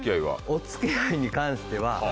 お付き合いに関しては。